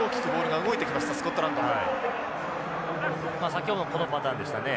先ほどもこのパターンでしたね。